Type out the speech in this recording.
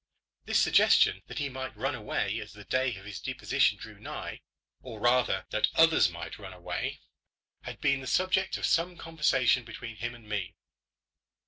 This suggestion that he might run away as the day of his deposition drew nigh, or rather, that others might run away, had been the subject of some conversation between him and me.